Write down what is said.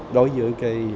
đối với cái